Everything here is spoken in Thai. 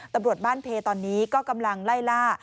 ตำรวจบ้านเพตอนนี้ก็กำลังไล่ล่า